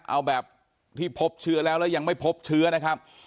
เอาแบบที่พบเชื้อแล้วแล้วยังไม่พบเชื้อนะครับ